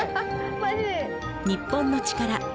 『日本のチカラ』